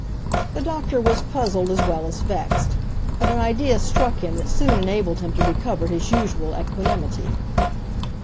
The doctor was puzzled as well as vexed, but an idea struck him that soon enabled him to recover his usual equanimity.